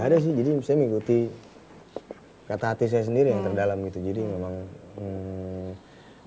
ada sih jadi saya mengikuti kata hati saya sendiri yang terdalam gitu jadi memang